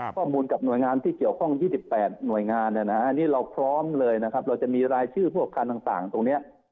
ข้อมูลกับหน่วยงานที่เกี่ยวข้อง๒๘หน่วยงานอันนี้เราพร้อมเลยนะครับเราจะมีรายชื่อพวกการต่างตรงนี้